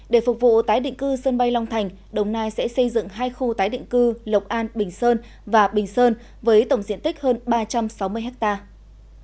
để phục vụ tái định cư sân bay long thành đồng nai sẽ xây dựng hai khu tái định cư lộc an bình sơn và bình sơn với tổng diện tích hơn ba trăm sáu mươi hectare